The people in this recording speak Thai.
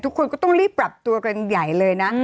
ทุกคนก็ต้องรีบปรับตัวกันใหญ่เลยนะ